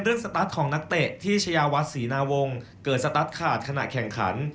แต่ทุกคนรู้ดีอยู่แล้วและมีการเตรียมความพร้อม